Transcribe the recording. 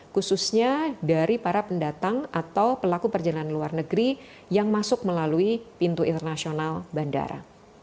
khususnya dari para pendatang atau pelaku perjalanan luar negeri yang masuk melalui pintu internasional bandara